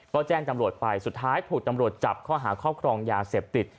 ก็แจ้งตำรวจไปสุดท้ายถูกตำรวจจับข้อหาครอบครองยาเสพติด